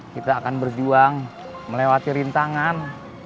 kita akan berjuang melewati rintangan